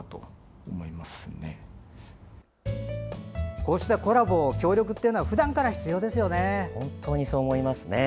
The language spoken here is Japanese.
こうしたコラボ協力というのはふだんから必要ですよね。